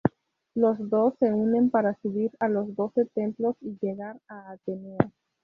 Los dos se unen para subir a los Doce Templos y llegar a Atenea.